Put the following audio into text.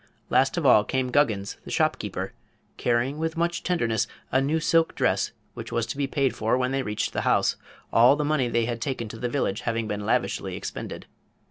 Last of all came Guggins, the shopkeeper, carrying with much tenderness a new silk dress which was to be paid for when they reached the house, all the money they had taken to the village having been lavishly expended.